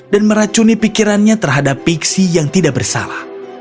dan meracuni pikirannya terhadap pixie yang tidak bersalah